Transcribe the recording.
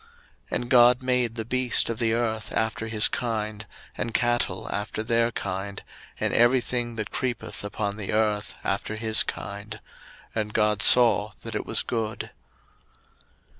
01:001:025 And God made the beast of the earth after his kind, and cattle after their kind, and every thing that creepeth upon the earth after his kind: and God saw that it was good.